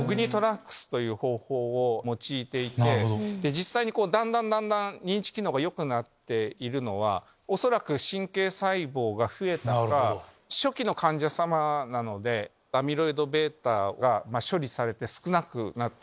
実際にだんだんだんだん認知機能がよくなっているのは恐らく神経細胞が増えたか初期の患者さまなのでアミロイドβが処理されて少なくなったか。